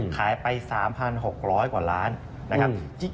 ขายไป๓๖๐๐กว่าล้านนะครับ